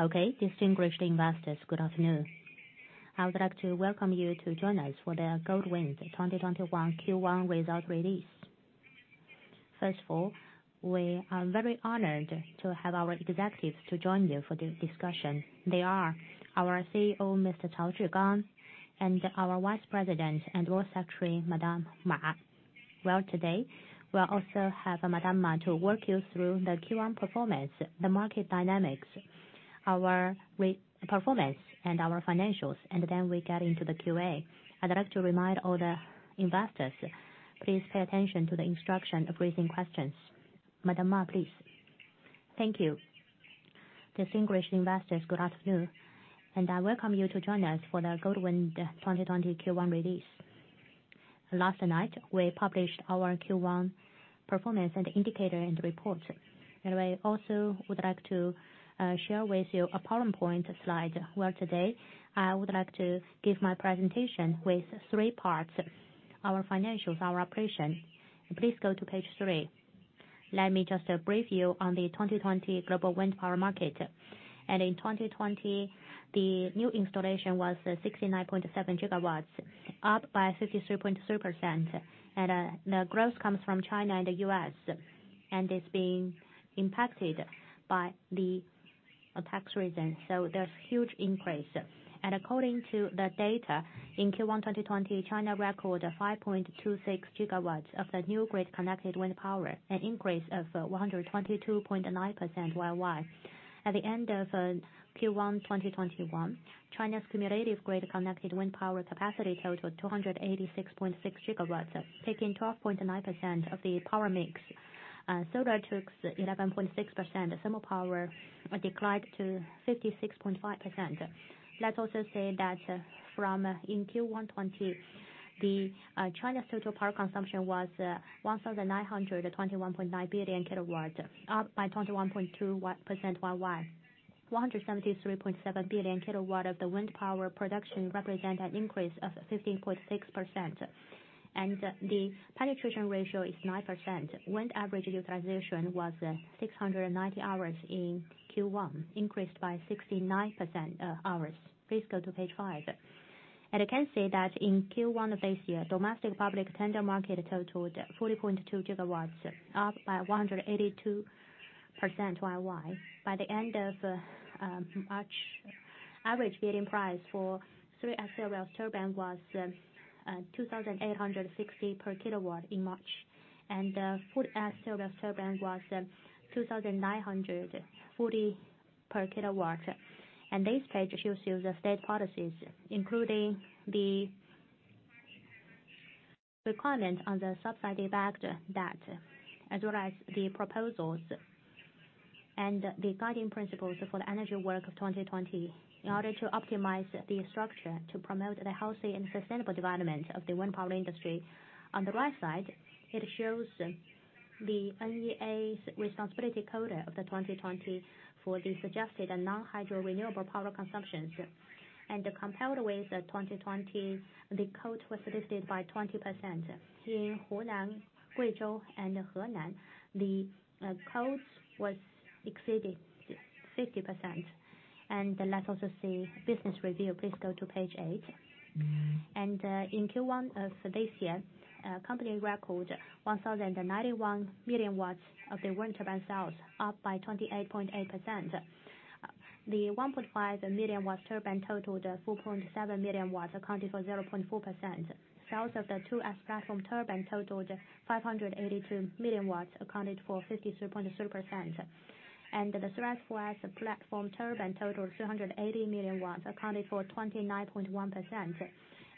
Okay. Distinguished investors, good afternoon. I would like to welcome you to join us for the Goldwind 2021 Q1 result release. First of all, we are very honored to have our executives to join you for the discussion. They are our CEO, Mr. Cao Zhigang, and our Vice President and Board Secretary, Madam Ma. Well, today we'll also have Madam Ma to walk you through the Q1 performance, the market dynamics, our performance, and our financials, and then we get into the QA. I'd like to remind all the investors, please pay attention to the instruction of raising questions. Madam Ma, please. Thank you. Distinguished investors, good afternoon. I welcome you to join us for the Goldwind [2021] Q1 release. Last night, we published our Q1 performance and indicator end report. We also would like to share with you a PowerPoint slide. Well, today, I would like to give my presentation with three parts, our financials, our operation. Please go to page three. Let me just brief you on the 2020 global wind power market. In 2020, the new installation was 69.7 GW, up by 53.3%, and the growth comes from China and the U.S., and it's being impacted by the tax reason, so there's huge increase. According to the data, in Q1 2020, China recorded 5.26 GW of the new grid-connected wind power, an increase of 122.9% YOY. At the end of Q1 2021, China's cumulative grid-connected wind power capacity totaled 286.6 GW, taking 12.9% of the power mix. Solar took 11.6%. Thermal power declined to 56.5%. Let's also say that from in Q1 2020, China's total power consumption was 1,921.9 billion kW, up by 21.2% YOY. 173.7 billion kW of the wind power production represent an increase of 15.6%, and the penetration ratio is 9%. Wind average utilization was 690 hours in Q1, increased by 69 hours. Please go to page five. I can say that in Q1 of this year, domestic public tender market totaled 40.2 GW, up by 182% YOY. By the end of March, average bidding price for 3S series turbine was 2,860 per kilowatt in March, and the 4S series turbine was 2,940 per kW. This page shows you the state policies, including the requirement on the subsidy factor that, as well as the proposals and the guiding principles for the energy work of 2020, in order to optimize the structure to promote the healthy and sustainable development of the wind power industry. On the right side, it shows the NEA's responsibility quota of the 2020 for the suggested non-hydro renewable power consumptions. Compared with the 2020, the quota was listed by 20%. In Hunan, Guizhou, and Henan, the quota was exceeded 50%. Let's also see business review. Please go to page eight. In Q1 of this year, company recorded 1,091 MW of the wind turbine sales, up by 28.8%. The 1.5 MW turbine totaled 4.7 MW, accounting for 0.4%. Sales of the 2S platform turbine totaled 582 MW, accounted for 53.3%. The 3S/4S platform turbine totaled 380 MW, accounted for 29.1%.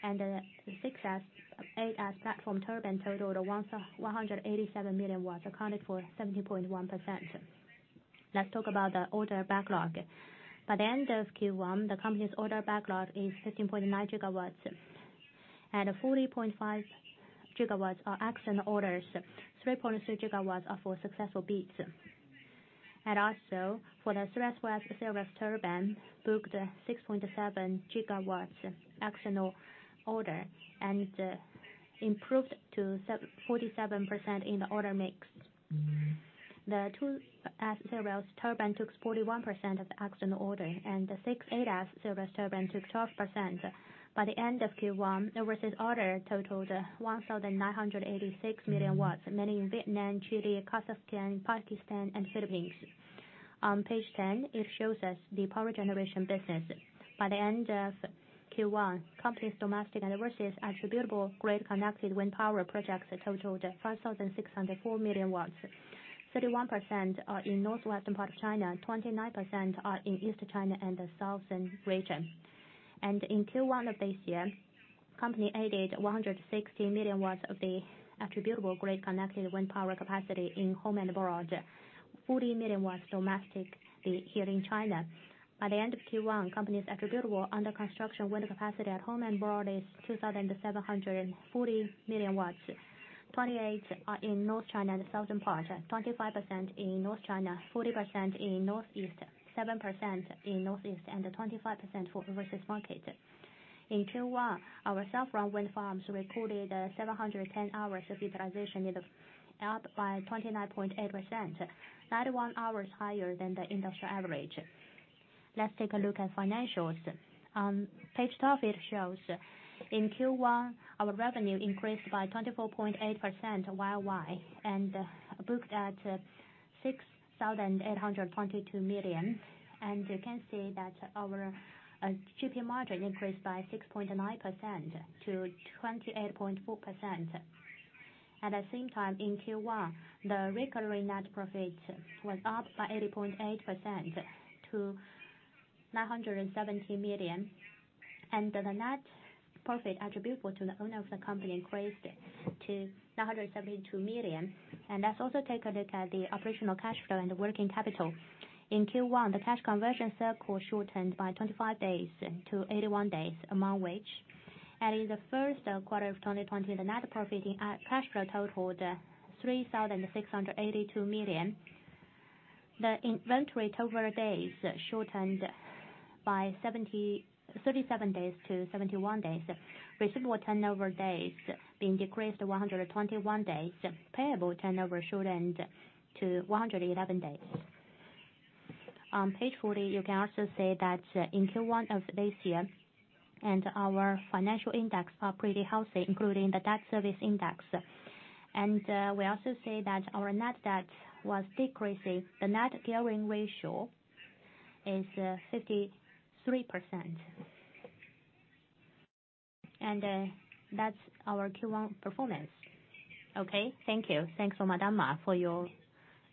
The 6S/8S platform turbine totaled 187 MW, accounted for 17.1%. Let's talk about the order backlog. By the end of Q1, the company's order backlog is 15.9 GW, and 40.5 GW are external orders. 3.3 GW are for successful bids. For the 3S/4S series turbine, booked 6.7 GW external order and improved to 47% in the order mix. The 2S series turbine took 41% of the external order, and the 6S/8S series turbine took 12%. By the end of Q1, overseas order totaled 1,986 MW, mainly in Vietnam, Chile, Kazakhstan, Pakistan, and Philippines. On page 10, it shows us the power generation business. By the end of Q1, company's domestic and overseas attributable grid-connected wind power projects totaled 5,604 MW. 31% are in northwestern part of China, 29% are in East China and the southern region. In Q1 of this year, company added 160 MW of the attributable grid-connected wind power capacity in home and abroad, 40 MW domestically here in China. By the end of Q1, company's attributable under-construction wind capacity at home and abroad is 2,740 MW. 28 are in North China and the southern part, 25% in North China, 40% in Northeast, 7% in Northeast, and 25% for overseas market. In Q1, our offshore wind farms recorded 710 hours of utilization, up by 29.8%, 91 hours higher than the industry average. Let's take a look at financials. On page 12, it shows in Q1, our revenue increased by 24.8% YOY and booked at 6,822 million. You can see that our GP margin increased by 6.9% to 28.4%. At the same time, in Q1, the recurring net profit was up by 8.8% to 970 million. The net profit attributable to the owner of the company increased to 972 million. Let's also take a look at the operational cash flow and the working capital. In Q1, the cash conversion cycle shortened by 25 days to 81 days, among which, early in the first quarter of 2020, the net profit cash flow totaled 3,682 million. The inventory turnover days shortened by 37 days to 71 days. Receivable turnover days being decreased to 121 days. Payable turnover shortened to 111 days. On page 40, you can also see that in Q1 of this year, our financial index are pretty healthy, including the debt service index. We also see that our net debt was decreasing. The net gearing ratio is 53%. That's our Q1 performance. Okay, thank you. Thanks, Madam Ma, for your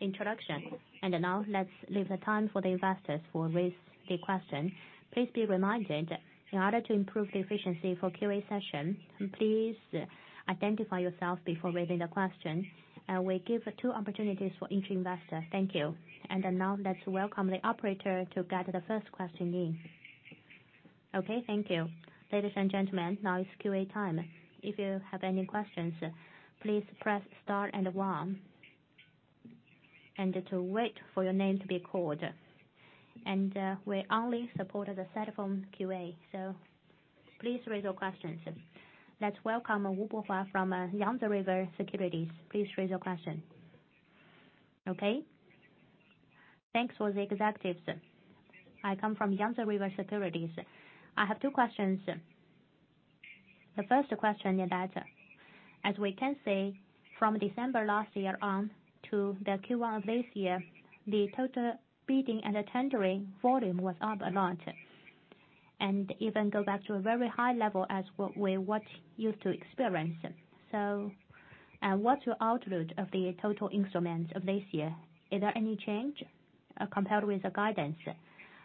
introduction. Now let's leave the time for the investors who raise the question. Please be reminded, in order to improve the efficiency for Q&A session, please identify yourself before raising the question. We give two opportunities for each investor. Thank you. Now let's welcome the operator to get the first question in. Okay, thank you. Ladies and gentlemen, now is Q&A time. If you have any questions, please press star one to wait for your name to be called. We only support the cell phone Q&A, please raise your questions. Let's welcome Wu Bufa from Yangtze River Securities. Please raise your question. Okay. Thanks for the executives. I come from Yangtze River Securities. I have two questions. The first question is that, as we can see from December last year on to the Q1 of this year, the total bidding and the tendering volume was up a lot, even go back to a very high level as what we used to experience. What's your outlook of the total instruments of this year? Is there any change compared with the guidance?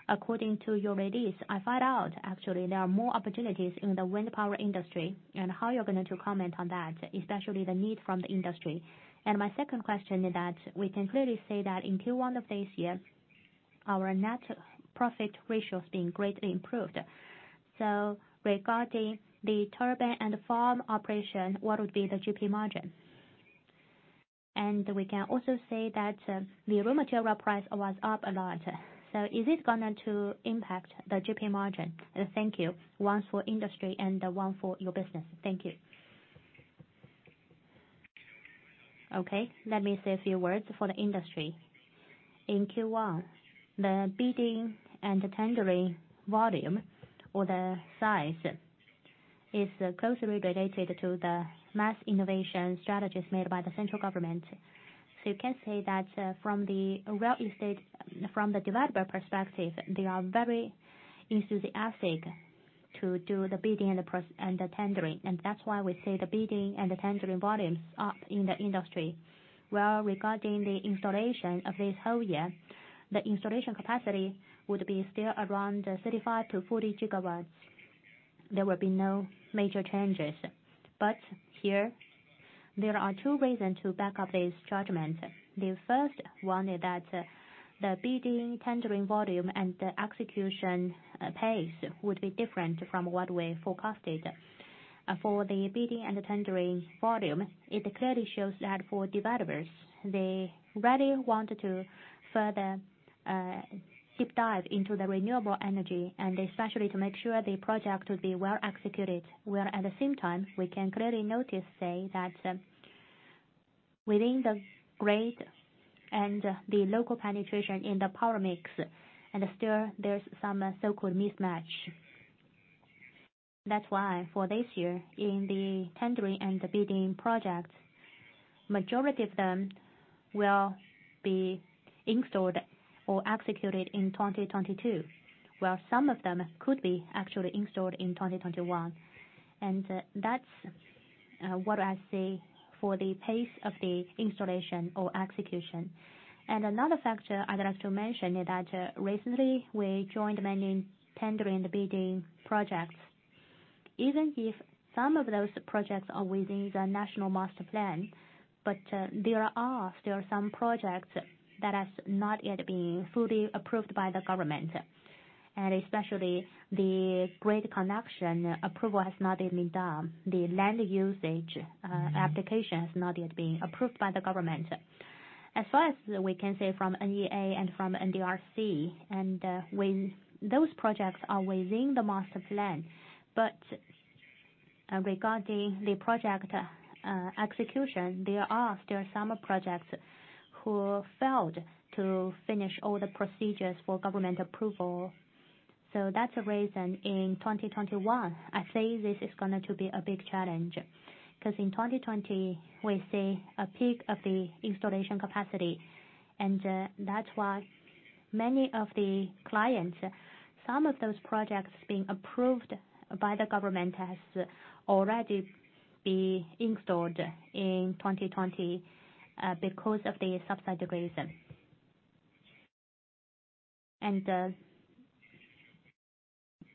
According to your release, I find out actually there are more opportunities in the wind power industry, how you're going to comment on that, especially the need from the industry. My second question is that we can clearly see that in Q1 of this year, our net profit ratio is being greatly improved. Regarding the turbine and the farm operation, what would be the GP margin? We can also see that the raw material price was up a lot. Is this going to impact the GP margin? Thank you. One for industry and one for your business. Thank you. Okay. Let me say a few words for the industry. In Q1, the bidding and the tendering volume or the size is closely related to the mass innovation strategies made by the central government. You can say that from the developer perspective, they are very enthusiastic to do the bidding and the tendering. That's why we say the bidding and the tendering volumes are up in the industry. Well, regarding the installation of this whole year, the installation capacity would be still around 35-40 GW. There will be no major changes. Here, there are two reasons to back up this judgment. The first one is that the bidding tendering volume and the execution pace would be different from what we forecasted. For the bidding and tendering volume, it clearly shows that for developers, they really want to further deep dive into the renewable energy, and especially to make sure the project will be well executed, where at the same time, we can clearly notice, say, that within the grid and the local penetration in the power mix, and still there's some so-called mismatch. That's why for this year, in the tendering and the bidding projects, majority of them will be installed or executed in 2022, while some of them could be actually installed in 2021. That's what I say for the pace of the installation or execution. Another factor I'd like to mention is that recently we joined many tendering the bidding projects. Even if some of those projects are within the national master plan, but there are still some projects that have not yet been fully approved by the government, and especially the grid connection approval has not been done. The land usage application has not yet been approved by the government. As far as we can say from NEA and from NDRC, and those projects are within the master plan. Regarding the project execution, there are still some projects who failed to finish all the procedures for government approval. That's the reason, in 2021, I say this is going to be a big challenge. In 2020, we see a peak of the installation capacity, and that's why many of the clients, some of those projects being approved by the government has already be installed in 2020 because of the subsidy reason.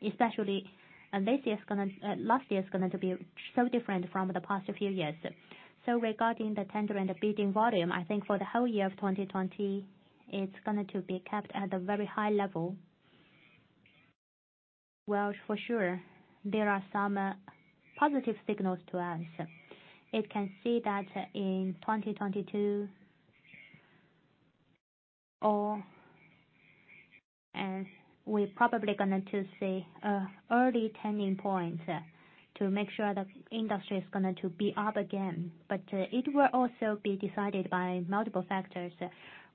Especially, last year is going to be so different from the past few years. Regarding the tender and the bidding volume, I think for the whole year of [2021], it's going to be kept at a very high level. Well, for sure, there are some positive signals to us. It can see that in 2022, we're probably going to see an early turning point to make sure the industry is going to be up again. It will also be decided by multiple factors.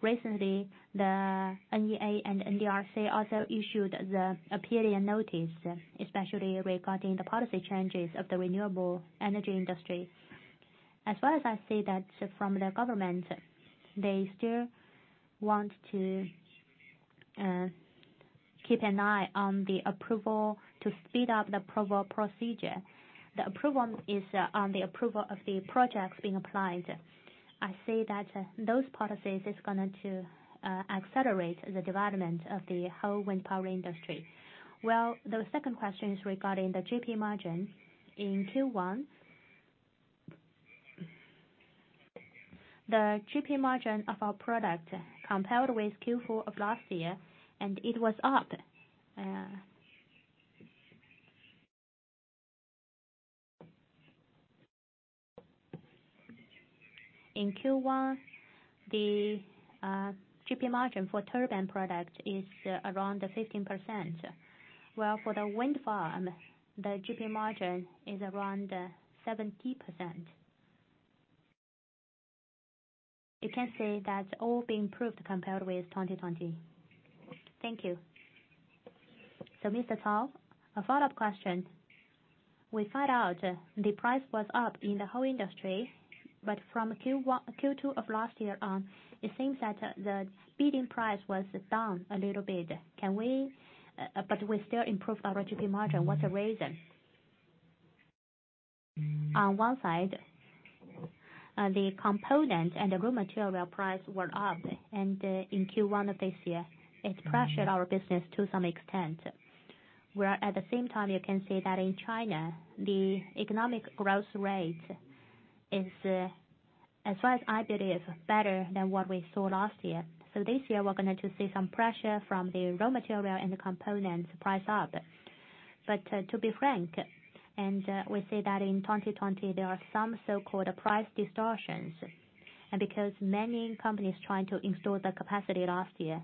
Recently, the NEA and NDRC also issued the opinion notice, especially regarding the policy changes of the renewable energy industry. As well as I say that from the government, they still want to keep an eye on the approval to speed up the approval procedure. The approval is on the approval of the projects being applied. I say that those policies is going to accelerate the development of the whole wind power industry. Well, the second question is regarding the GP margin. In Q1, the GP margin of our product compared with Q4 of last year, and it was up. In Q1, the GP margin for turbine product is around 15%, while for the wind farm, the GP margin is around 17%. You can say that's all been improved compared with 2020. Thank you. Mr. Cao, a follow-up question. We found out the price was up in the whole industry, but from Q2 of last year on, it seems that the bidding price was down a little bit. We still improved our GP margin. What's the reason? On one side, the component and the raw material price were up, and in Q1 of this year, it pressured our business to some extent. At the same time, you can see that in China, the economic growth rate is, as far as I believe, better than what we saw last year. This year we're going to see some pressure from the raw material and the components price up. To be frank, we see that in 2020, there are some so-called price distortions. Because many companies trying to install the capacity last year,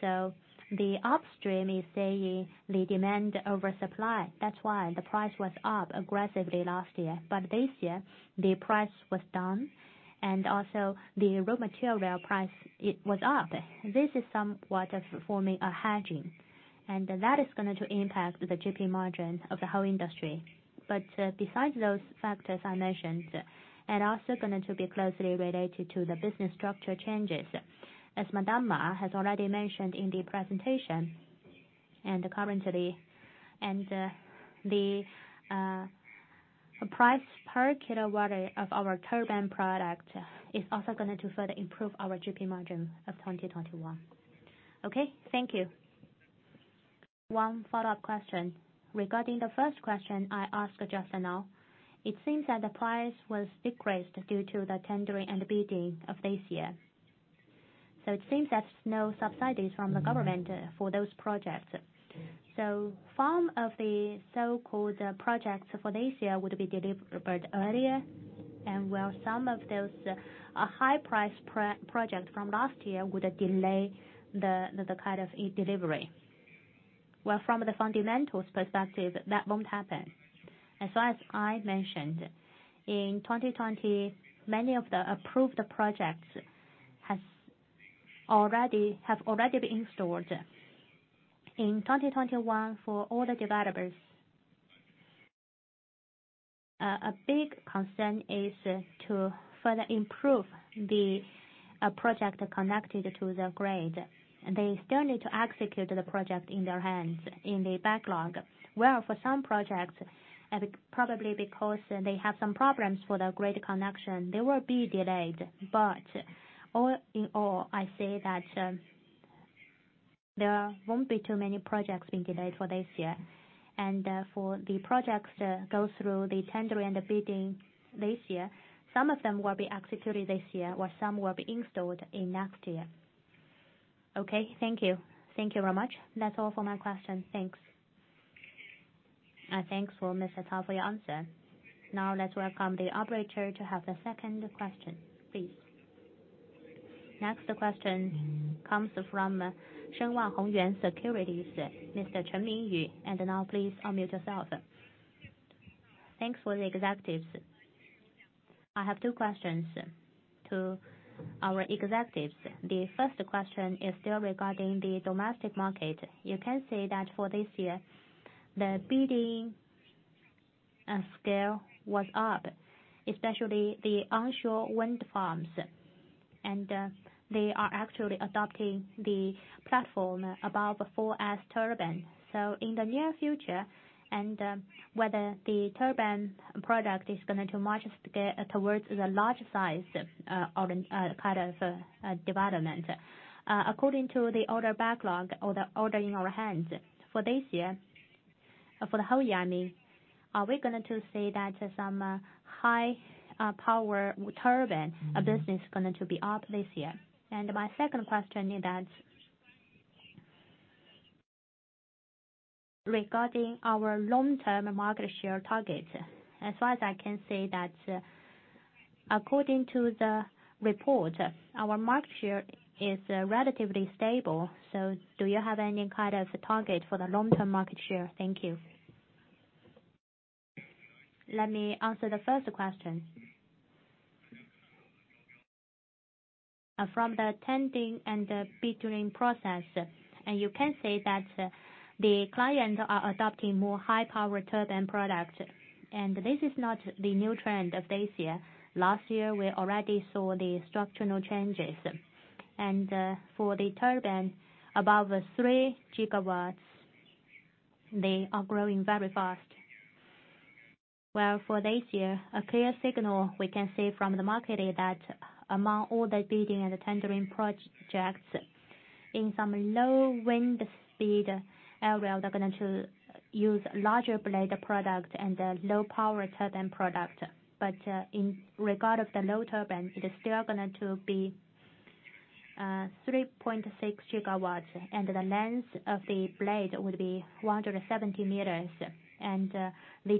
the upstream is seeing the demand over supply. That's why the price was up aggressively last year. This year, the price was down, and also the raw material price, it was up. This is somewhat forming a hedging. That is going to impact the GP margin of the whole industry. Besides those factors I mentioned, it is also going to be closely related to the business structure changes. As Madam Ma has already mentioned in the presentation, currently, the price per kilowatt of our turbine product is also going to further improve our GP margin of 2021. Okay, thank you. One follow-up question. Regarding the first question I asked just now, it seems that the price was decreased due to the tendering and the bidding of this year. It seems that no subsidies from the government for those projects. Some of the so-called projects for this year would be delivered earlier, and well some of those high-priced projects from last year would delay the kind of delivery. Well, from the fundamentals perspective, that won't happen. As far as I mentioned, in 2020, many of the approved projects have already been installed. In 2021, for all the developers, a big concern is to further improve the project connected to the grid. They still need to execute the project in their hands in the backlog. Well, for some projects, probably because they have some problems for the grid connection, they will be delayed. All in all, I say that there won't be too many projects being delayed for this year. For the projects that go through the tendering and the bidding this year, some of them will be executed this year or some will be installed in next year. Okay, thank you. Thank you very much. That's all for my questions. Thanks for Cao Zhigang for your answer. Now let's welcome the operator to have the second question, please. Next question comes from Shenwan Hongyuan Securities, Mr. Chen Minyu. Now please unmute yourself. Thanks for the executives. I have two questions to our executives. The first question is still regarding the domestic market. You can see that for this year, the bidding scale was up, especially the onshore wind farms. They are actually adopting the platform above 4S turbine. In the near future, whether the turbine product is going to march towards the large size of development, according to the order backlog or the order in your hands for this year, for the whole year, I mean, are we going to see that some high power turbine business is going to be up this year? My second question is that, regarding our long-term market share target. As far as I can see that according to the report, our market share is relatively stable. Do you have any kind of target for the long-term market share? Thank you. Let me answer the first question. From the tendering and the bidding process. You can say that the clients are adopting more high-power turbine products. This is not the new trend of this year. Last year, we already saw the structural changes. For the turbine, above 3 GW, they are growing very fast. For this year, a clear signal we can see from the market is that among all the bidding and the tendering projects, in some low wind speed areas, they're going to use larger blade products and a low power turbine product. In regard of the low turbine, it is still going to be 3.6 GW, and the length of the blade will be 170 m. The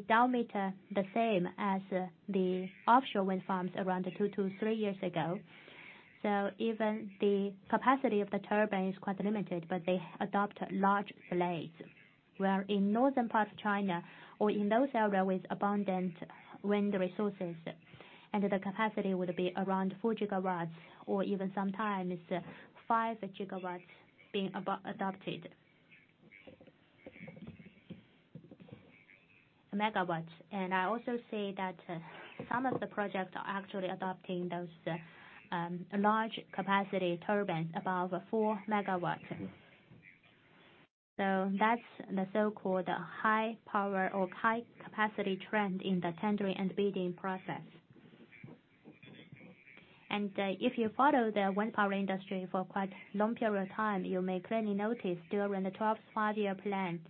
diameter, the same as the offshore wind farms around two to three years ago. Even the capacity of the turbine is quite limited, but they adopt large blades. Where in northern parts of China or in those areas with abundant wind resources, the capacity would be around 4 GW or even sometimes 5 GW being adopted. Megawatts. I also see that some of the projects are actually adopting those large capacity turbines above 4 MW. That's the so-called high power or high capacity trend in the tendering and bidding process. If you follow the wind power industry for quite long period of time, you may clearly notice during the 12th Five-Year Plan.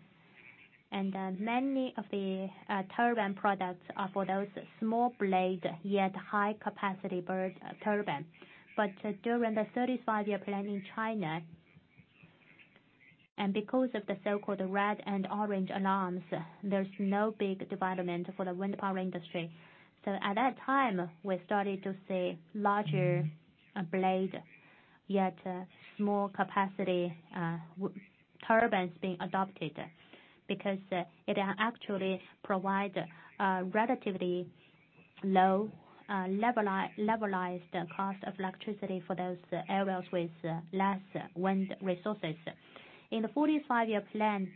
Many of the turbine products are for those small blade, yet high capacity bird turbine. During the 13th Five-Year Plan in China, and because of the so-called red and orange alarms, there's no big development for the wind power industry. At that time, we started to see larger blade, yet small capacity turbines being adopted. Because it actually provide a relatively low levelized cost of electricity for those areas with less wind resources. In the 14th Five-Year Plan,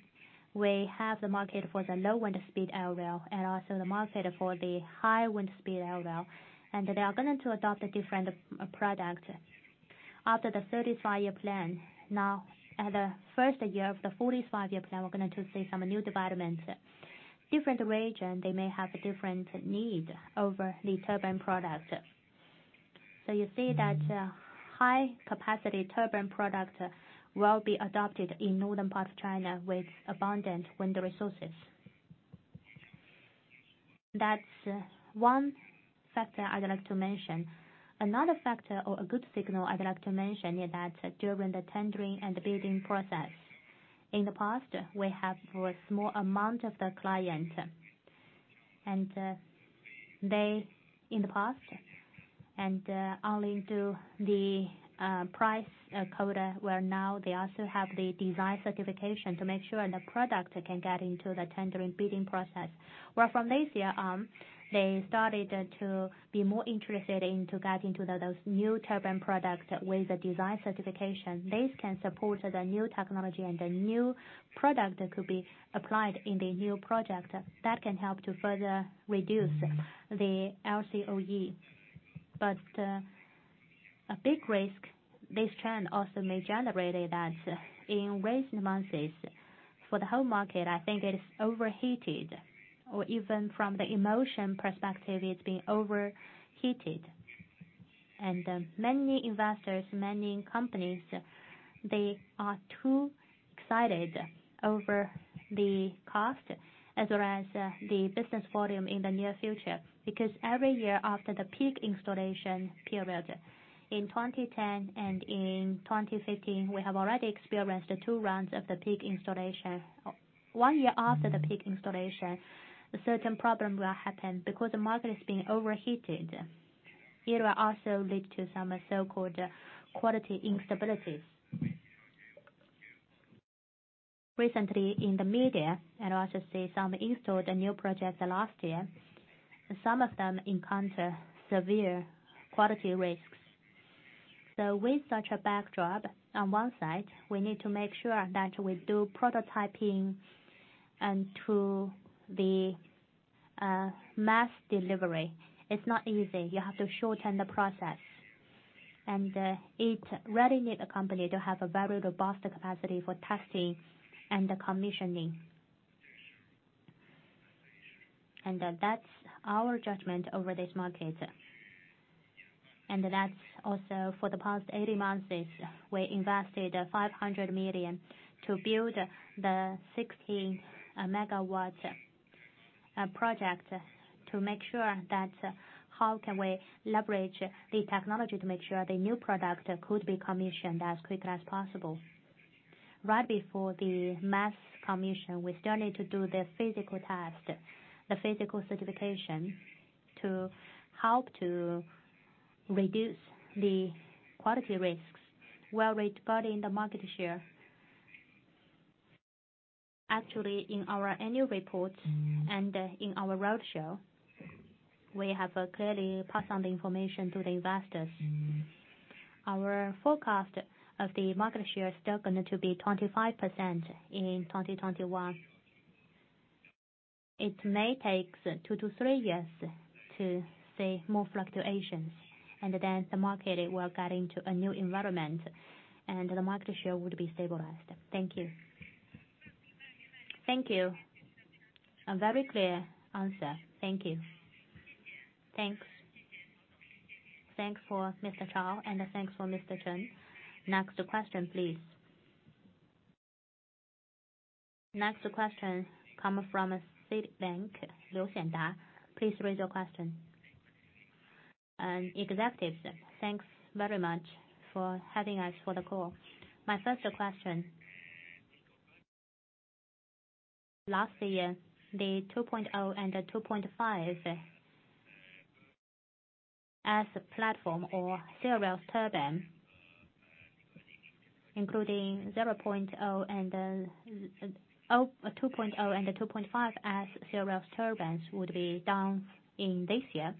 we have the market for the low wind speed area and also the market for the high wind speed area. They are going to adopt a different product after the 13th Five-Year Plan. Now at the first year of the 14th Five-Year Plan, we're going to see some new developments. Different region, they may have different need over the turbine product. You see that high capacity turbine product will be adopted in northern part of China with abundant wind resources. That's one factor I'd like to mention. Another factor or a good signal I'd like to mention is that during the tendering and the bidding process, in the past, we have a small amount of the client. They, in the past, and only do the price quota, where now they also have the design certification to make sure the product can get into the tendering bidding process. From this year, they started to be more interested in to get into those new turbine products with the design certification. This can support the new technology and the new product that could be applied in the new project. That can help to further reduce the LCOE. A big risk this trend also may generate is that in recent months, for the whole market, I think it is overheated. Even from the emotion perspective, it's being overheated. Many investors, many companies, they are too excited over the cost as well as the business volume in the near future. Because every year after the peak installation period, in 2010 and in 2015, we have already experienced two rounds of the peak installation. One year after the peak installation, a certain problem will happen because the market is being overheated. It will also lead to some so-called quality instabilities. Recently in the media, and also see some installed new projects last year, some of them encounter severe quality risks. With such a backdrop, on one side, we need to make sure that we do prototyping and to the mass delivery. It's not easy. You have to shorten the process. It really need a company to have a very robust capacity for testing and commissioning. That's our judgment over this market. That's also for the past 18 months, we invested 500 million to build the 60-MW project to make sure that how can we leverage the technology to make sure the new product could be commissioned as quickly as possible. Right before the mass commission, we still need to do the physical test, the physical certification to help to reduce the quality risks while we're expanding the market share. Actually, in our annual report and in our roadshow, we have clearly passed on the information to the investors. Our forecast of the market share is still going to be 25% in 2021. It may take two to three years to see more fluctuations, and then the market will get into a new environment, and the market share would be stabilized. Thank you. Thank you. A very clear answer. Thank you. Thanks. Thanks for Cao Zhigang, and thanks for Chen Minyu. Next question, please. Next question comes from Citibank, Liu Xianda. Please raise your question. Executives, thanks very much for having us for the call. My first question. Last year, the 2.0 and the 2.5S a platform or series turbine, including 2.0 and the 2.5S series turbines would be down in this year.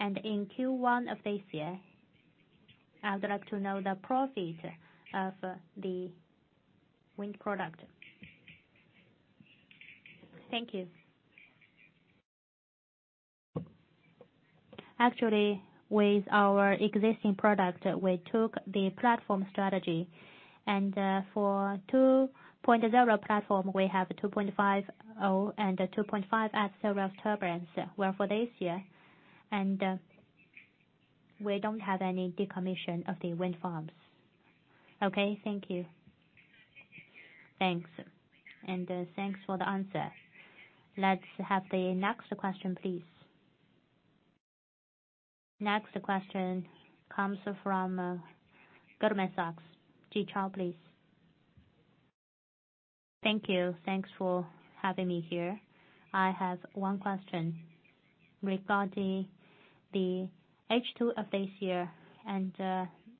In Q1 of this year, I would like to know the profit of the wind product. Thank you. Actually, with our existing product, we took the platform strategy, and for 2.0 platform, we have 2.50 and 2.5S series turbines. Well, for this year, we don't have any decommission of the wind farms. Okay, thank you. Thanks. Thanks for the answer. Let's have the next question, please. Next question comes from Goldman Sachs. Ji Chao, please. Thank you. Thanks for having me here. I have one question. Regarding the H2 of this year and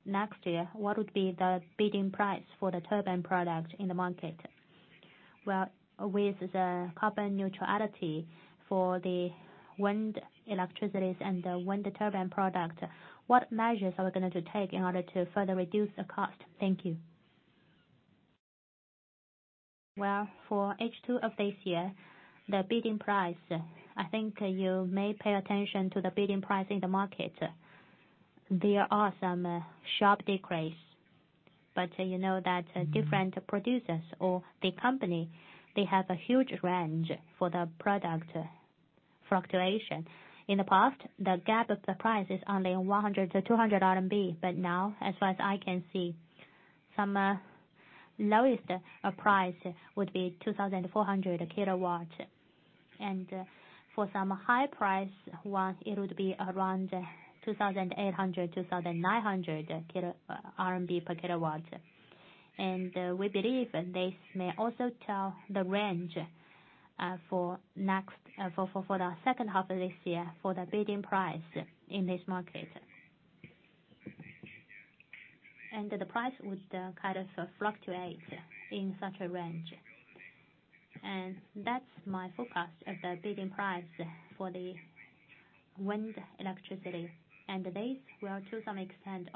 next year, what would be the bidding price for the turbine product in the market? Well, with the carbon neutrality for the wind electricity and the wind turbine product, what measures are we going to take in order to further reduce the cost? Thank you. Well, for H2 of this year, the bidding price, I think you may pay attention to the bidding price in the market. There are some sharp decrease. You know that different producers or the company, they have a huge range for the product fluctuation. In the past, the gap of the price is only 100-200 RMB, now, as far as I can see, some lowest price would be 2,400 per kW. For some high price one, it would be around 2,800 RMB, RMB 2,900 per kW. We believe this may also tell the range for the second half of this year for the bidding price in this market. The price would kind of fluctuate in such a range. That's my forecast of the bidding price for the wind electricity. This will, to some extent,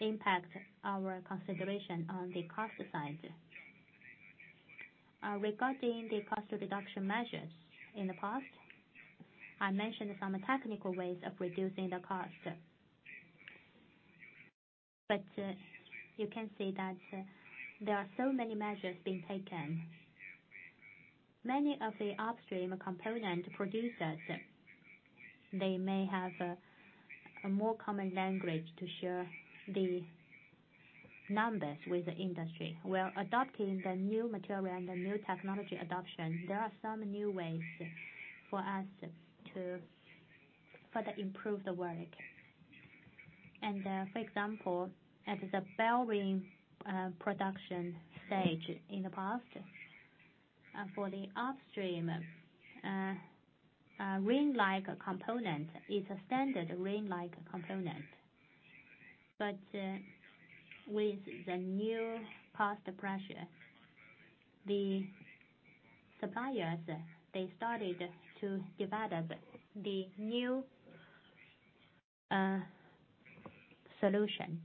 also impact our consideration on the cost side. Regarding the cost reduction measures in the past, I mentioned some technical ways of reducing the cost. You can see that there are so many measures being taken. Many of the upstream component producers, they may have a more common language to share the numbers with the industry. We're adopting the new material and the new technology adoption. There are some new ways for us to further improve the work. For example, at the bearing production stage in the past, for the upstream, bearing-like component is a standard bearing-like component. With the new cost pressure, the suppliers started to develop the new solution,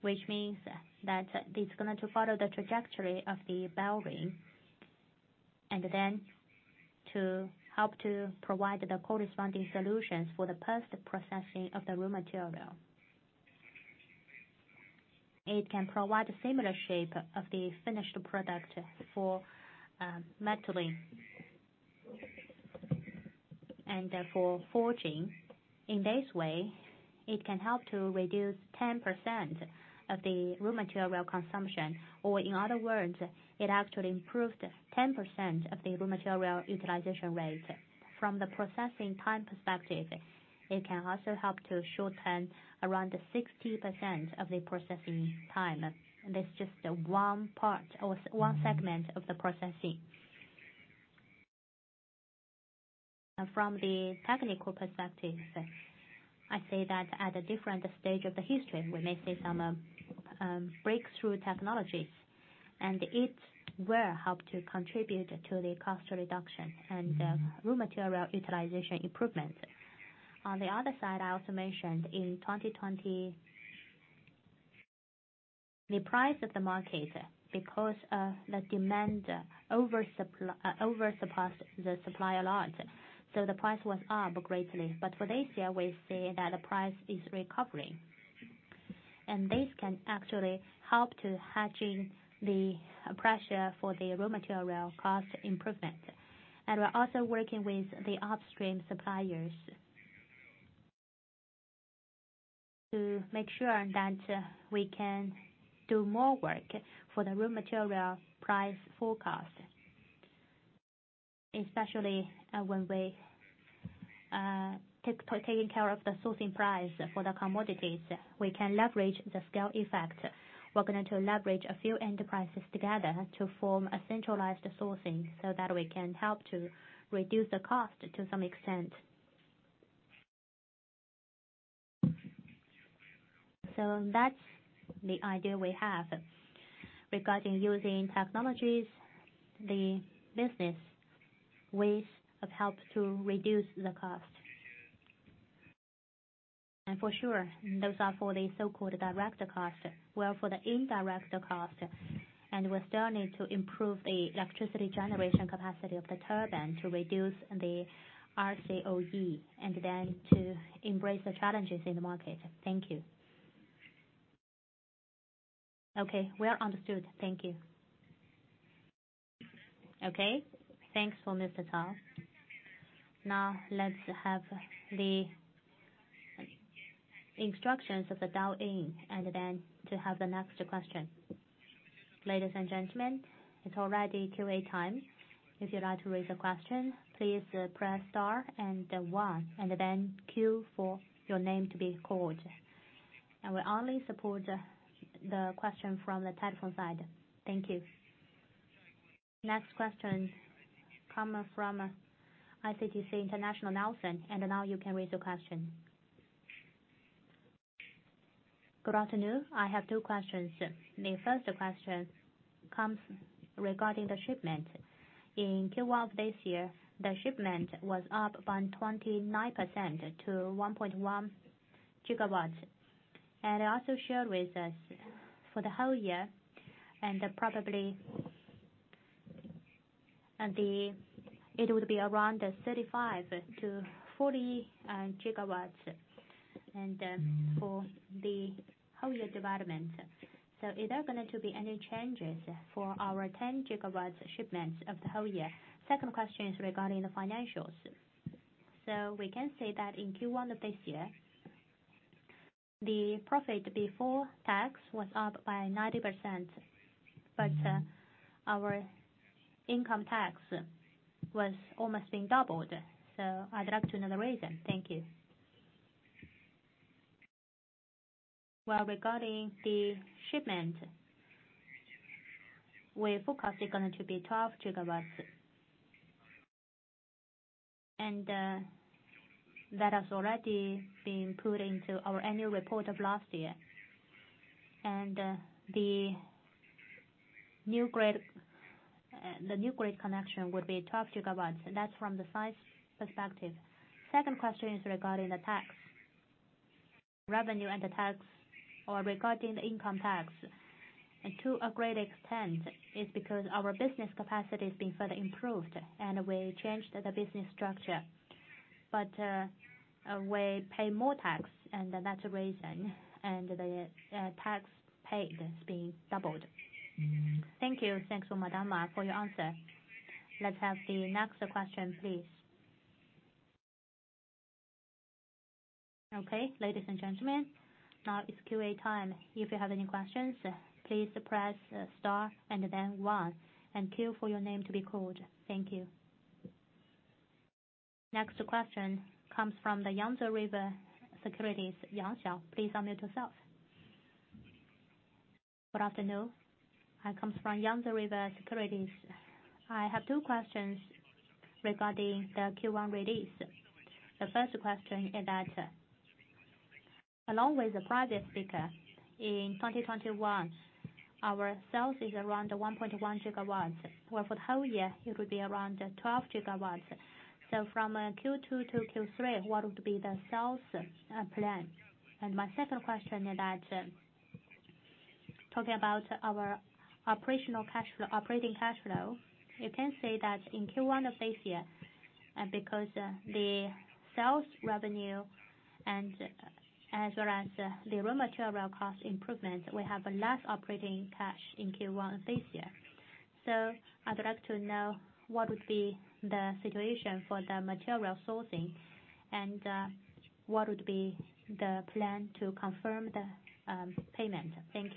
which means that it's going to follow the trajectory of the bearing, then to help to provide the corresponding solutions for the post-processing of the raw material. It can provide a similar shape of the finished product for metal bearing and for forging. In this way, it can help to reduce 10% of the raw material consumption, or in other words, it actually improved 10% of the raw material utilization rate. From the processing time perspective, it can also help to shorten around 60% of the processing time. That's just one part or one segment of the processing. From the technical perspective, I say that at a different stage of the history, we may see some breakthrough technologies, and it will help to contribute to the cost reduction and raw material utilization improvement. On the other side, I also mentioned in 2020, the price of the market, because of the demand over surpassed the supply a lot. The price was up greatly. For this year, we see that the price is recovering. This can actually help to hedging the pressure for the raw material cost improvement. We're also working with the upstream suppliers to make sure that we can do more work for the raw material price forecast, especially when we're taking care of the sourcing price for the commodities. We can leverage the scale effect. We're going to leverage a few enterprises together to form a centralized sourcing that we can help to reduce the cost to some extent. That's the idea we have regarding using technologies, the business ways to help to reduce the cost. For sure, those are for the so-called direct cost. Well, for the indirect cost, we still need to improve the electricity generation capacity of the turbine to reduce the LCOE, to embrace the challenges in the market. Thank you. Okay. Well understood. Thank you. Okay. Thanks for Mr. Cao. Let's have the instructions of dial in, to have the next question. Ladies and gentlemen, it's already QA time. If you'd like to raise a question, please press star and one, queue for your name to be called. We only support the question from the telephone side. Thank you. Next question come from CICC International, Nelson. Now you can raise your question. Good afternoon. I have two questions. The first question comes regarding the shipment. In Q1 of this year, the shipment was up by 29% to 1.1 GW. And also share with us for the whole year, and probably it would be around 35 GW-40 GW, and for the whole year development. Is there going to be any changes for our 10 GW shipments of the whole year? Second question is regarding the financials. We can say that in Q1 of this year, the profit before tax was up by 90%, but our income tax was almost being doubled. I'd like to know the reason. Thank you. Well, regarding the shipment, we forecast it going to be 12 GW. That has already been put into our annual report of last year. The new grid connection would be 12 GW, and that's from the size perspective. Second question is regarding the tax, revenue and the tax or regarding the income tax. To a great extent, it's because our business capacity is being further improved, and we changed the business structure. We pay more tax, and that's the reason, and the tax paid is being doubled. Thank you. Thanks for Madam Ma for your answer. Let's have the next question, please. Okay. Ladies and gentlemen, now it's QA time. If you have any questions, please press star and then one, and queue for your name to be called. Thank you. Next question comes from the Yangtze River Securities, Yang Xiao. Please unmute yourself. Good afternoon. I come from Yangtze River Securities. I have two questions regarding the Q1 release. The first question is that along with the previous speaker, in 2021, our sales is around 1.1 GW, where for the whole year it will be around 12 GW. From Q2 to Q3, what would be the sales plan? My second question is that, talking about our operating cash flow, you can see that in Q1 of this year, and because the sales revenue as well as the raw material cost improvement, we have a less operating cash in Q1 of this year. I'd like to know what would be the situation for the material sourcing, and what would be the plan to confirm the payment. Thank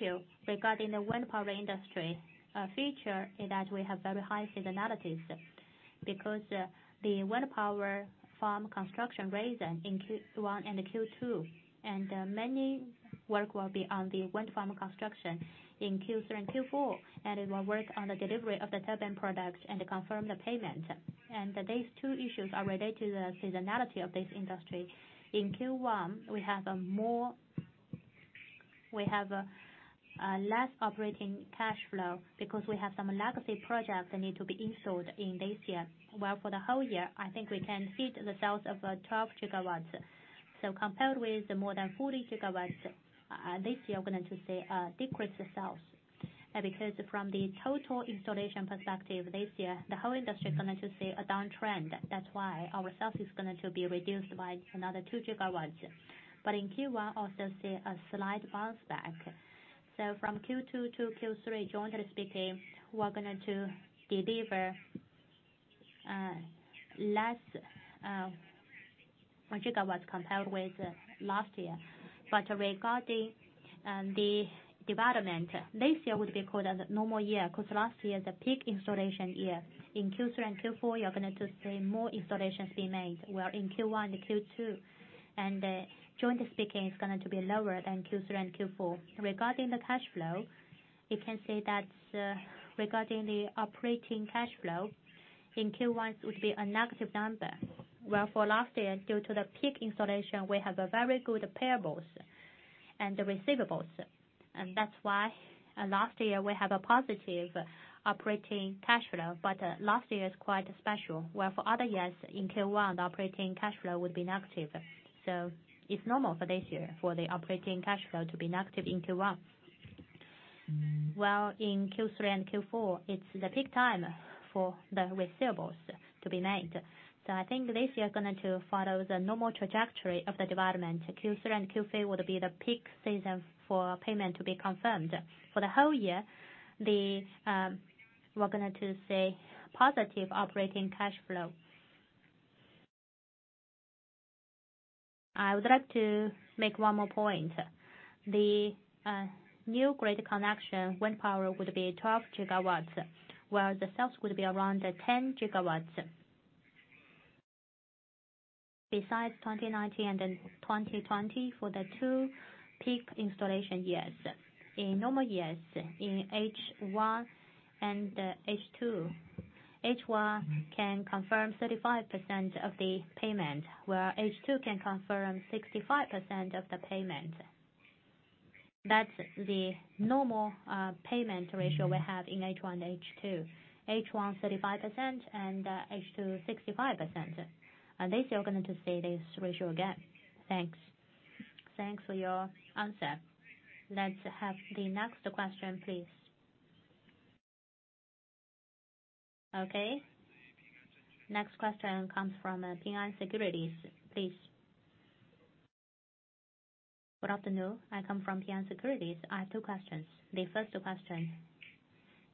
you. Regarding the wind power industry, a feature is that we have very high seasonality. The wind power farm construction risen in Q1 and Q2, and many work will be on the wind farm construction in Q3 and Q4, and it will work on the delivery of the turbine product and confirm the payment. These two issues are related to the seasonality of this industry. In Q1, we have less operating cash flow because we have some legacy projects that need to be installed in this year. Well, for the whole year, I think we can fit the sales of 12 GW. Compared with the more than 40 GW this year, we're going to see a decrease in sales. From the total installation perspective, this year, the whole industry is going to see a downtrend. That's why our sales is going to be reduced by another 2 GW. In Q1 also see a slight bounce back. From Q2 to Q3, jointly speaking, we're going to deliver less GW compared with last year. Regarding the development, this year would be called a normal year because last year is a peak installation year. In Q3 and Q4, you're going to see more installations being made, where in Q1 and Q2, jointly speaking, it's going to be lower than Q3 and Q4. Regarding the cash flow, you can see that regarding the operating cash flow, in Q1 it would be a negative number, where for last year due to the peak installation, we have a very good payables and receivables. That's why last year we have a positive operating cash flow. Last year is quite special, where for other years in Q1, the operating cash flow would be negative. It's normal for this year for the operating cash flow to be negative in Q1. Well, in Q3 and Q4, it's the peak time for the receivables to be made. So I think this year we're going to follow the normal trajectory of the development. Q3 and Q4 would be the peak season for payment to be confirmed. For the whole year, we're going to see positive operating cash flow. I would like to make one more point. The new grid connection wind power would be 12 GW, where the sales would be around 10 GW. Besides 2019 and 2020 for the two peak installation years, in normal years, in H1 and H2, H1 can confirm 35% of the payment, where H2 can confirm 65% of the payment. That's the normal payment ratio we have in H1 and H2. H1 35% and H2 65%. This year we're going to see this ratio again. Thanks. Thanks for your answer. Let's have the next question, please. Okay. Next question comes from Ping An Securities. Please. Good afternoon. I come from Ping An Securities. I have two questions. The first question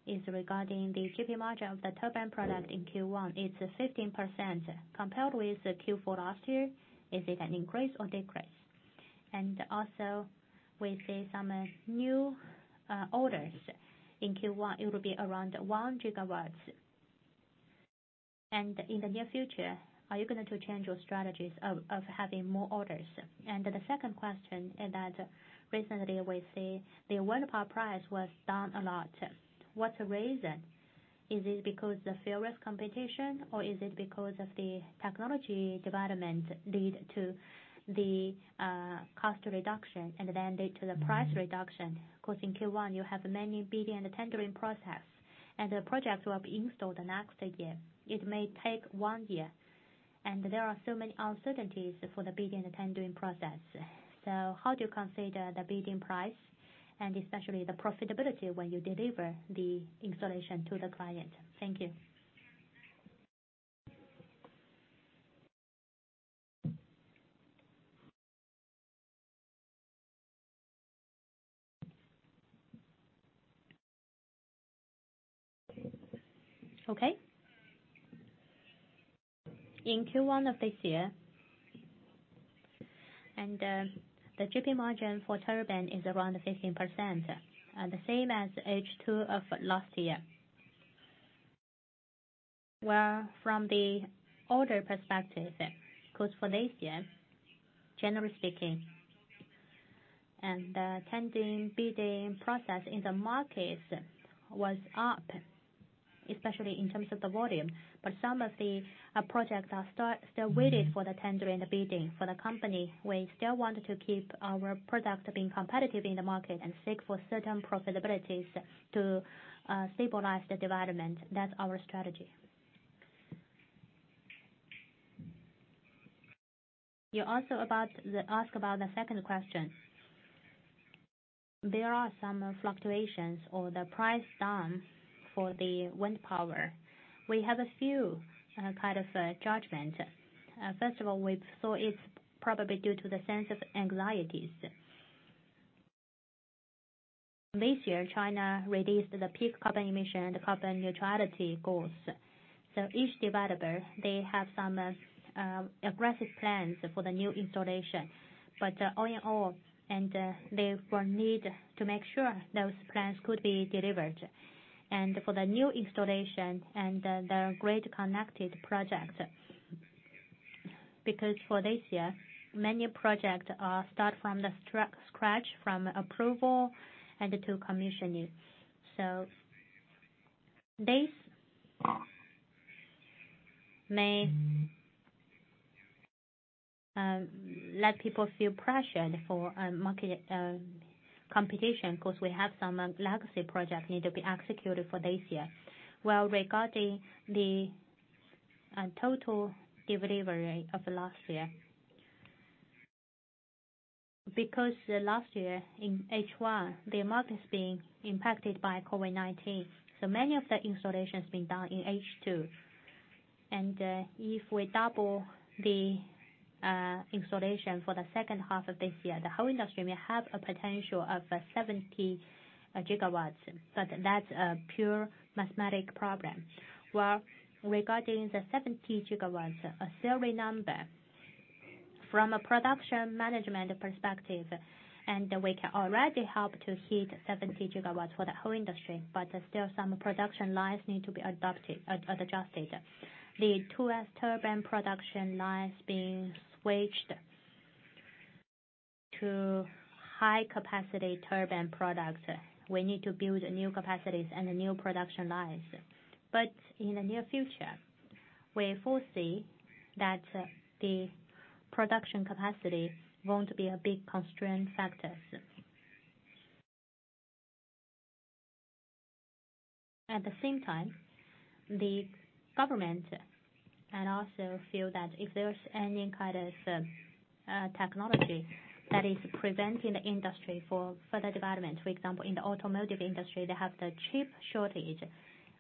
is regarding the GP margin of the turbine product in Q1. It's 15%. Compared with Q4 last year, is it an increase or decrease? Also, we see some new orders in Q1. It will be around 1 gigawatt. In the near future, are you going to change your strategies of having more orders? The second question is that recently we see the wind power price was down a lot. What's the reason? Is it because the fearless competition or is it because of the technology development lead to the cost reduction and then lead to the price reduction? In Q1, you have many bidding and tendering process, and the projects will be installed next year. It may take one year, there are so many uncertainties for the bidding and tendering process. How do you consider the bidding price and especially the profitability when you deliver the installation to the client? Thank you. Okay. In Q1 of this year. The GP margin for turbine is around 15%, the same as H2 of last year. Well, from the order perspective, because for this year, generally speaking, and the tendering, bidding process in the markets was up, especially in terms of the volume. Some of the projects are still waiting for the tendering and the bidding. For the company, we still want to keep our product being competitive in the market and seek for certain profitabilities to stabilize the development. That's our strategy. You also asked about the second question. There are some fluctuations or the price down for the wind power. We have a few kind of judgment. First of all, we saw it's probably due to the sense of anxieties. This year, China released the peak carbon emission and carbon neutrality goals. Each developer, they have some aggressive plans for the new installation. All in all, they will need to make sure those plans could be delivered. For the new installation and the grid connected project, because for this year, many projects are start from scratch, from approval and to commissioning. This may let people feel pressured for market competition, because we have some legacy projects need to be executed for this year. Well, regarding the total delivery of last year, because last year in H1, the market is being impacted by COVID-19, so many of the installations were done in H2. If we double the installation for the second half of this year, the whole industry may have a potential of 70 GW. That's a pure mathematic problem. Regarding the 70 GW, a theory number, from a production management perspective, we can already help to hit 70 GW for the whole industry, but still some production lines need to be adjusted. The 2S turbine production lines being switched to high-capacity turbine products. We need to build new capacities and new production lines. In the near future, we foresee that the production capacity won't be a big constraint factor. At the same time, the government can also feel that if there's any kind of technology that is preventing the industry for further development, for example, in the automotive industry, they have the chip shortage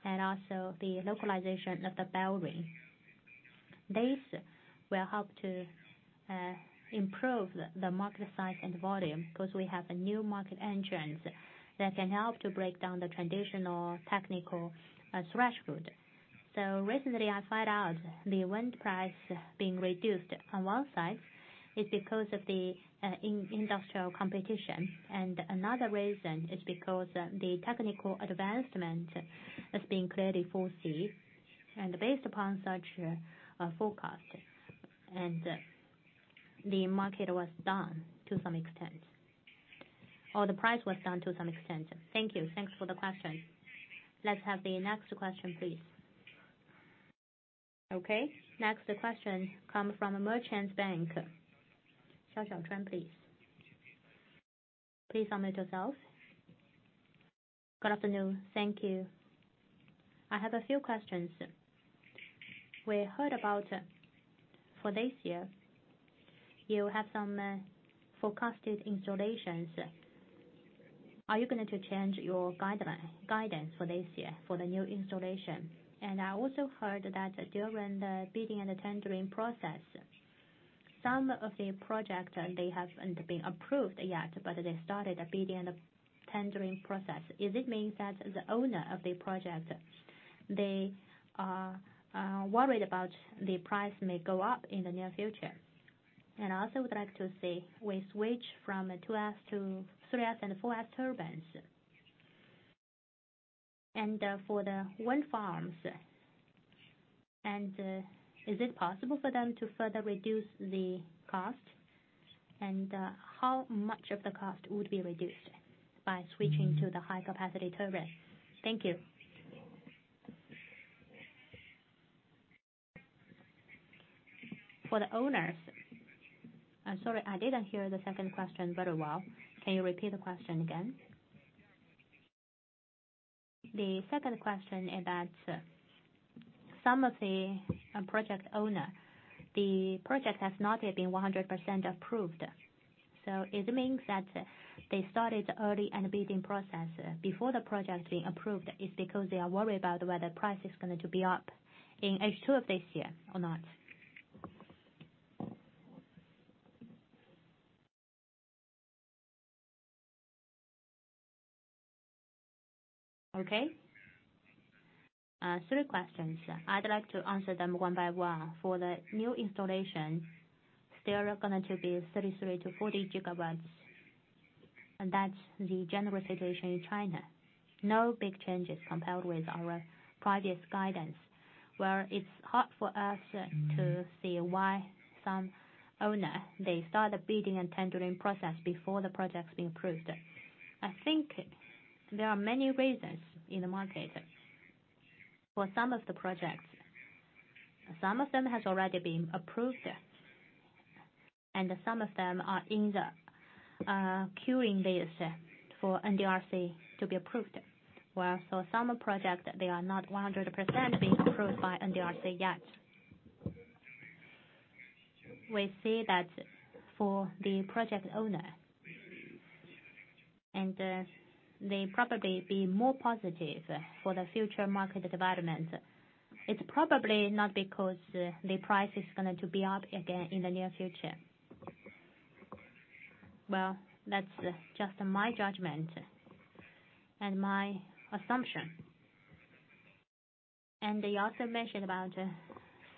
and also the localization of the battery. This will help to improve the market size and volume because we have a new market entrance that can help to break down the traditional technical threshold. Recently, I find out the wind price being reduced on one side is because of the industrial competition. Another reason is because the technical advancement has been clearly foreseen, and based upon such a forecast, and the market was down to some extent, or the price was down to some extent. Thank you. Thanks for the question. Let's have the next question, please. Okay. Next question come from Merchants Bank. Xiaoxiao Qi, please. Please unmute yourself. Good afternoon. Thank you. I have a few questions. We heard about for this year, you have some forecasted installations. Are you going to change your guidance for this year for the new installation? I also heard that during the bidding and the tendering process, some of the projects, they haven't been approved yet, but they started a bidding and a tendering process. Is it mean that the owner of the project, they are worried about the price may go up in the near future? I also would like to see, we switch from a 2S-3S and 4S turbines. For the wind farms, and is it possible for them to further reduce the cost? How much of the cost would be reduced by switching to the high-capacity turbine? Thank you. For the owners I'm sorry, I didn't hear the second question very well. Can you repeat the question again? The second question is that some of the project owner, the project has not yet been 100% approved. It means that they started early in the bidding process before the project being approved. It's because they are worried about whether price is going to be up in H2 of this year or not. Okay. Three questions. I'd like to answer them one by one. For the new installation, they are going to be 33 GW-40 GW, and that's the general situation in China. No big changes compared with our previous guidance. Where it's hard for us to see why some owner, they start a bidding and tendering process before the project's been approved. I think there are many reasons in the market. For some of the projects, some of them has already been approved, and some of them are in the queuing base for NDRC to be approved. Where for some projects, they are not 100% being approved by NDRC yet. We see that for the project owner, they probably be more positive for the future market development. It's probably not because the price is going to be up again in the near future. Well, that's just my judgment and my assumption. They also mentioned about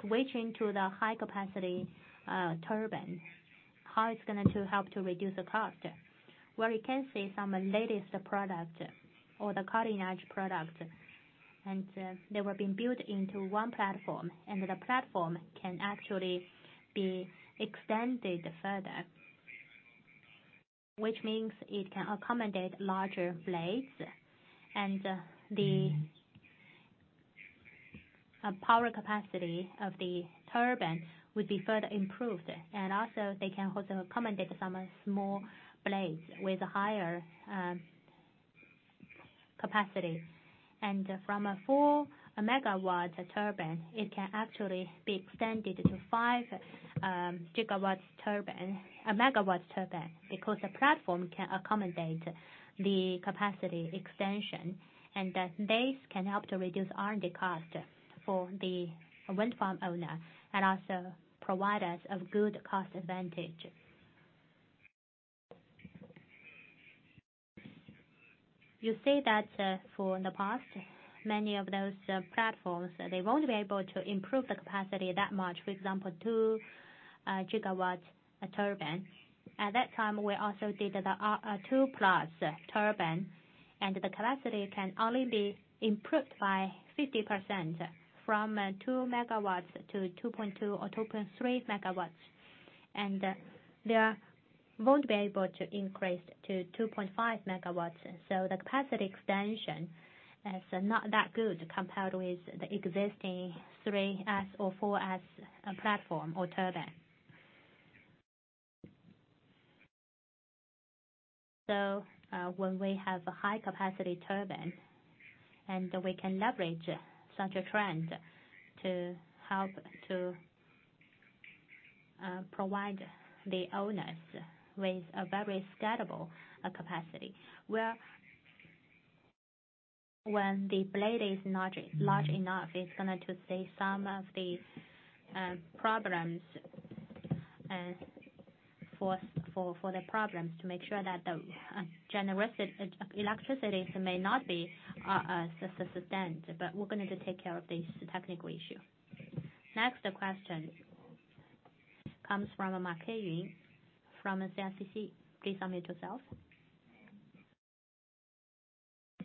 switching to the high-capacity turbine, how it's going to help to reduce the cost. Where we can see some latest product or the cutting-edge product, and they were being built into one platform, and the platform can actually be extended further. Which means it can accommodate larger blades, and the power capacity of the turbine would be further improved. Also they can also accommodate some small blades with higher capacity. From a 4 MW turbine, it can actually be extended to 5 MW turbine, because the platform can accommodate the capacity extension. This can help to reduce R&D cost for the wind farm owner and also provide us a good cost advantage. You say that for the past, many of those platforms, they won't be able to improve the capacity that much. For example, 2 GW turbine. At that time, we also did the 2+ turbine, and the capacity can only be improved by 50% from 2 MW-2.2 MW or 2.3 MW. They won't be able to increase to 2.5 MW. The capacity extension is not that good compared with the existing 3S or 4S platform or turbine. When we have a high-capacity turbine, and we can leverage such a trend to help to provide the owners with a very scalable capacity. When the blade is not large enough, it is going to face some of the problems, to make sure that the electricity may not be sustained. We're going to take care of this technical issue. Next question comes from Ma Keyun from CSCC. Please unmute yourself.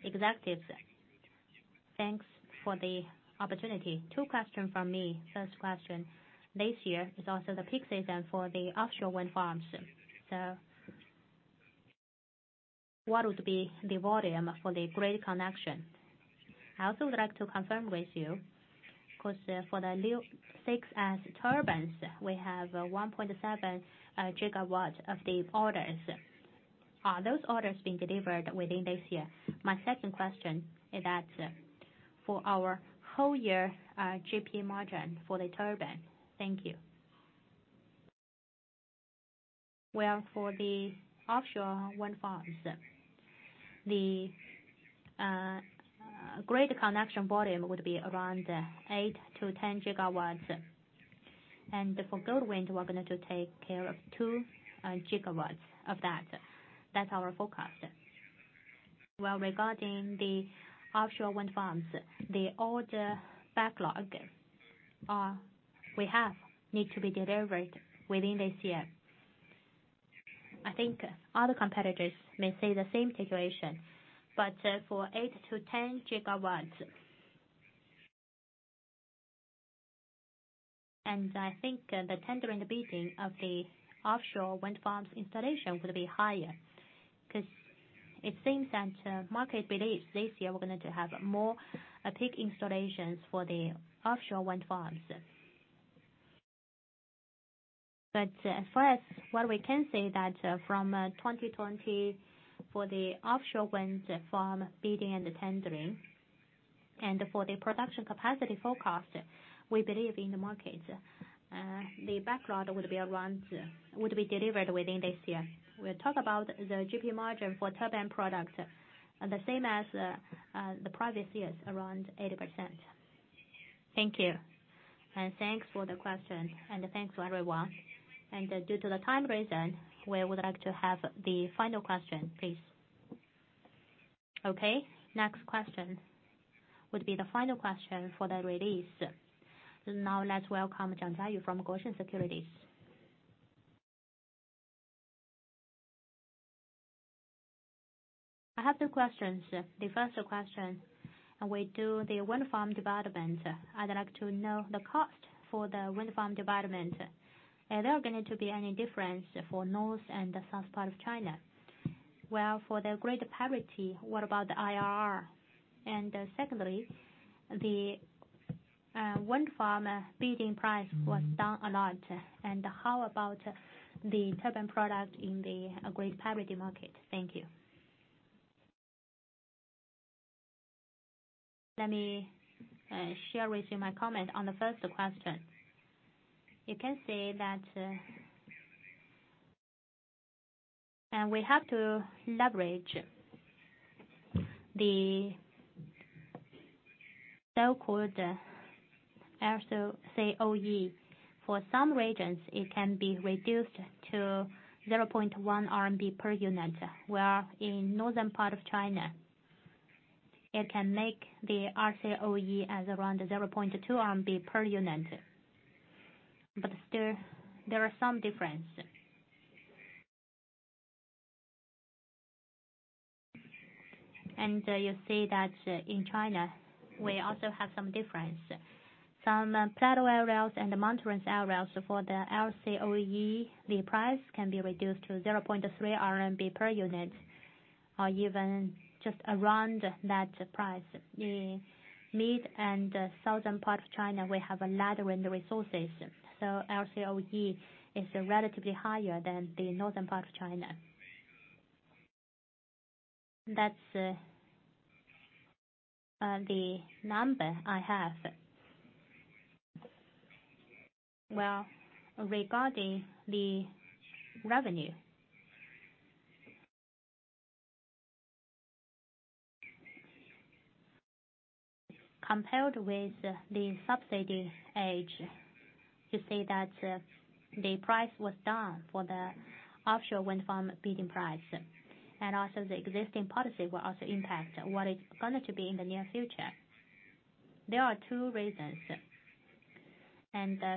Executive, thanks for the opportunity. Two question from me. First question. This year is also the peak season for the offshore wind farms. What would be the volume for the grid connection? I also would like to confirm with you, because for the new 6S turbines, we have 1.7 GW of the orders. Are those orders being delivered within this year? My second question is that for our whole year, GP margin for the turbine. Thank you. Well, for the offshore wind farms, the grid connection volume would be around 8-10 GW. For Goldwind, we're going to take care of 2 GW of that. That's our forecast. Well, regarding the offshore wind farms, the order backlog we have need to be delivered within this year. I think other competitors may say the same situation, but for 8 GW-10 GW. I think the tendering bidding of the offshore wind farms installation will be higher, because it seems that market believes this year we're going to have more peak installations for the offshore wind farms. For us, what we can say that from 2020, for the offshore wind farm bidding and tendering and for the production capacity forecast, we believe in the market. The backlog would be delivered within this year. We talk about the GP margin for turbine products, the same as the previous years, around [18%]. Thank you. Thanks for the question, and thanks for everyone. Due to the time reason, we would like to have the final question, please. Okay. Next question would be the final question for the release. Now let's welcome Zhang Jiayu from Guosen Securities. I have two questions. The first question, we do the wind farm development. I'd like to know the cost for the wind farm development. Are there going to be any difference for north and the south part of China? Well, for the grid parity, what about the IRR? Secondly, the wind farm bidding price was down a lot. How about the turbine product in the grid parity market? Thank you. Let me share with you my comment on the first question. You can see that we have to leverage the so-called LCOE. For some regions, it can be reduced to 0.1 RMB per unit, where in northern part of China, it can make the LCOE as around 0.2 RMB per unit. Still, there are some difference. You see that in China, we also have some difference. Some plateau areas and mountainous areas for the LCOE, the price can be reduced to 0.3 RMB per unit or even just around that price. In mid and southern part of China, we have a lot of wind resources. LCOE is relatively higher than the northern part of China. That's the number I have. Well, regarding the revenue, compared with the subsidy age, you see that the price was down for the offshore wind farm bidding price. Also the existing policy will also impact what is going to be in the near future. There are two reasons.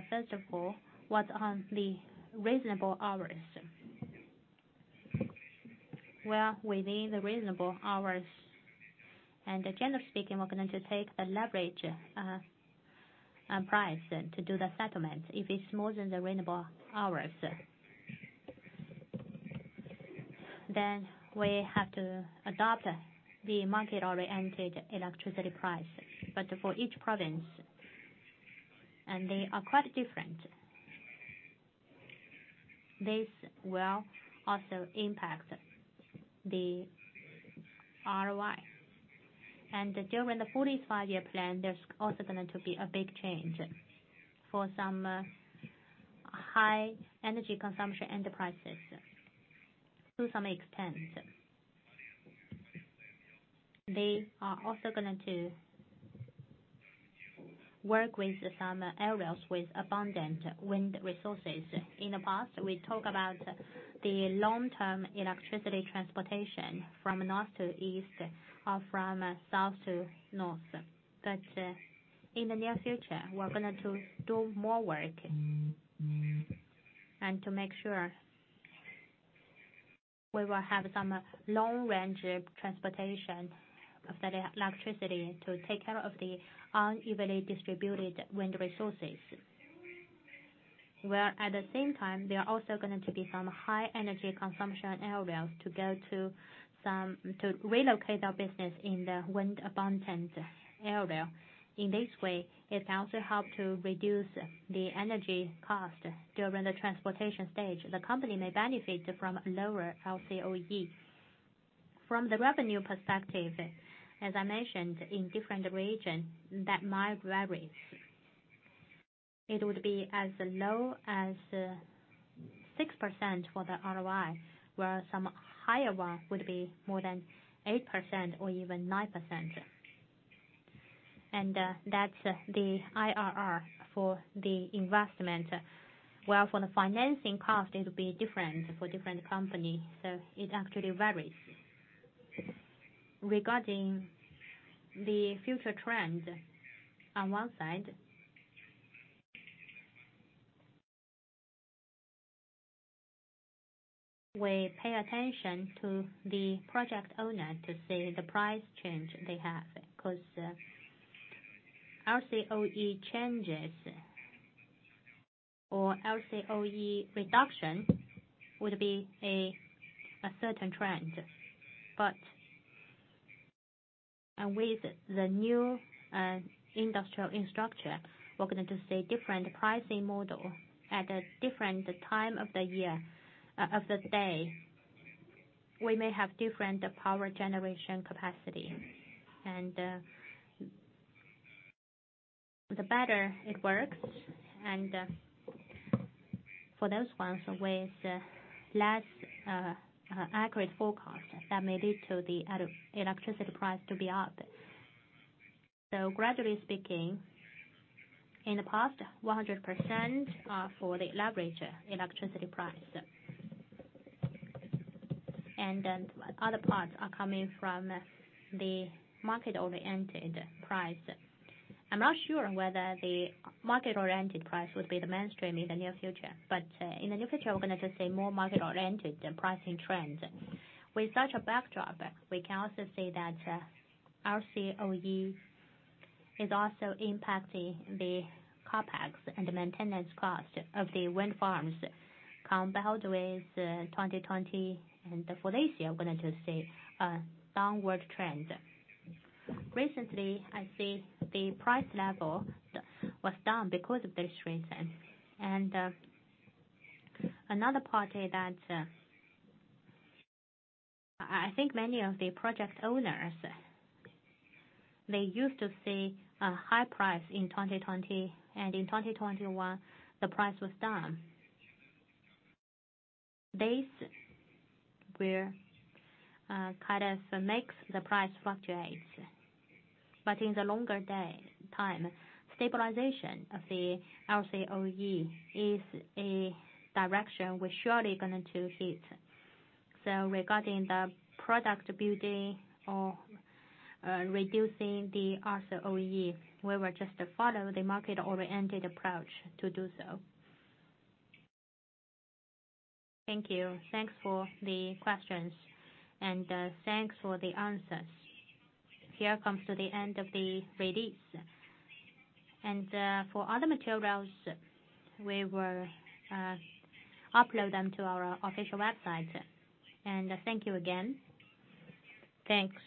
First of all, what are the reasonable hours? Within the reasonable hours, generally speaking, we're going to take a leverage price to do the settlement. If it's more than the reasonable hours, then we have to adopt the market-oriented electricity price. For each province, they are quite different. This will also impact the ROI. During the 14th Five-Year Plan, there's also going to be a big change for some high energy consumption enterprises to some extent. They are also going to work with some areas with abundant wind resources. In the past, we talk about the long-term electricity transportation from north to east or from south to north. In the near future, we're going to do more work and to make sure we will have some long-range transportation of the electricity to take care of the unevenly distributed wind resources. Where at the same time, there are also going to be some high energy consumption areas to relocate our business in the wind abundant area. In this way, it can also help to reduce the energy cost during the transportation stage. The company may benefit from lower LCOE. From the revenue perspective, as I mentioned in different region, that might vary. It would be as low as 6% for the ROI, where some higher one would be more than 8% or even 9%. That's the IRR for the investment, where for the financing cost, it will be different for different company. It actually varies. Regarding the future trend, on one side, we pay attention to the project owner to see the price change they have because LCOE changes or LCOE reduction would be a certain trend. With the new industrial structure, we're going to see different pricing model at a different time of the day. We may have different power generation capacity. The better it works and for those ones with less accurate forecast, that may lead to the electricity price to be up. Gradually speaking, in the past, 100% are for the leverage electricity price. Other parts are coming from the market-oriented price. I'm not sure whether the market-oriented price would be the mainstream in the near future. In the near future, we're going to just see more market-oriented pricing trends. With such a backdrop, we can also see that LCOE is also impacting the CapEx and maintenance cost of the wind farms, combined with 2020 and for this year, we're going to see a downward trend. Recently, I see the price level was down because of the shrink. Another part is that I think many of the project owners, they used to see a high price in 2020, and in 2021, the price was down. This will make the price fluctuates. In the longer time, stabilization of the LCOE is a direction we're surely going to hit. Regarding the product building or reducing the LCOE, we will just follow the market-oriented approach to do so. Thank you. Thanks for the questions, and thanks for the answers. Here comes to the end of the release. For other materials, we will upload them to our official website. Thank you again. Thanks.